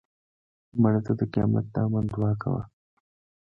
مړه ته د قیامت د امن دعا کوو